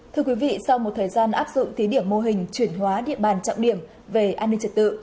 thưa quý vị sau một thời gian áp dụng thí điểm mô hình chuyển hóa địa bàn trọng điểm về an ninh trật tự